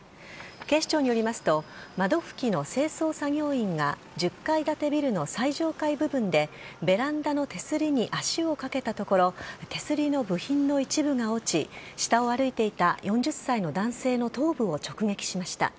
警視庁によりますと窓拭きの清掃作業員が１０階建てビルの最上階部分でベランダの手すりに足をかけたところ手すりの部品の一部が落ち下を歩いていた４０歳の男性の頭部を直撃しました。